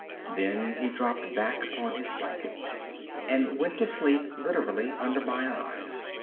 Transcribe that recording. Then he dropped back upon his blankets and went to sleep literally under my eyes.